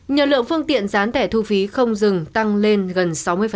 nhờ lượng phương tiện dán tẻ thu phí không dừng tăng lên gần sáu mươi